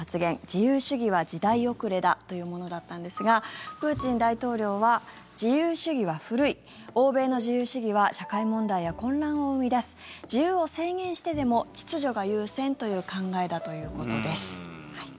自由主義は時代遅れだというものだったんですがプーチン大統領は自由主義は古い欧米の自由主義は社会問題や混乱を生み出す自由を制限してでも秩序が優先という考えだということです。